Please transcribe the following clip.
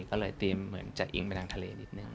ก็เลยจัดอิ๊งป์ไปทางทะเลนิดนึง